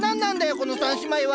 この３姉妹は！